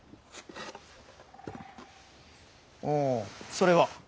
それは？